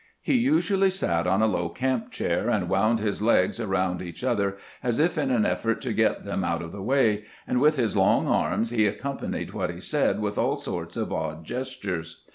He usually sat on a low camp chair, and wound his legs around each other as if in an effort to get them out of the way, and with his long arms he accompanied what he said with aE. sorts of odd gestures.